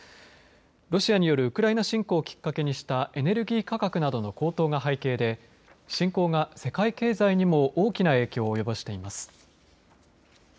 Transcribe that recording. ロシアによるウクライナ侵攻をきっかけにしたエネルギー価格などの高騰が背景で侵攻が世界経済にも大きな影響を及ぼしています。